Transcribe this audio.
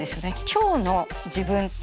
今日の自分。